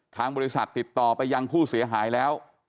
ทางบริษัทติดต่อไปยังผู้เสียหายแล้ว